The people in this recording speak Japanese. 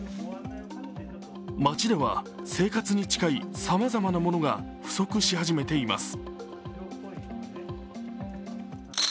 街では生活に近いさまざまなものが不足し始めています。